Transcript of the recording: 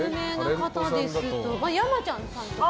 山ちゃんさんとか。